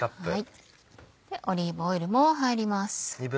オリーブオイルも入ります。